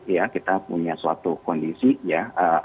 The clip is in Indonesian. ya kita punya suatu kondisi ya